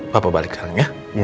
bapak balik sekarang ya